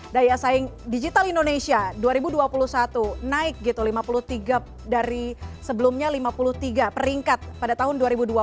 daya saing digital indonesia dua ribu dua puluh satu naik gitu lima puluh tiga dari sebelumnya lima puluh tiga peringkat pada tahun dua ribu dua puluh